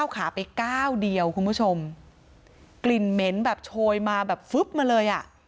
ขาไปก้าวเดียวคุณผู้ชมกลิ่นเหม็นแบบโชยมาแบบฟึ๊บมาเลยอ่ะ